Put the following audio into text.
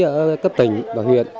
ở cấp tỉnh và huyện